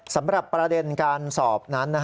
สำหรับประเด็นการสอบนั้น